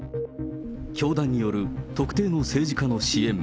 教団による特定の政治家の支援。